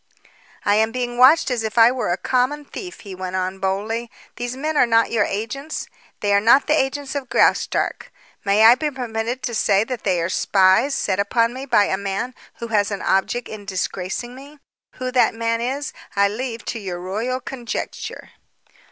"I am being watched as if I were a common thief," he went on boldly. "These men are not your agents; they are not the agents of Graustark. May I be permitted to say that they are spies set upon me by a man who has an object in disgracing me? Who that man is, I leave to your royal conjecture."